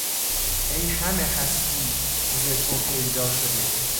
ای همه هستی زتو پیدا شده...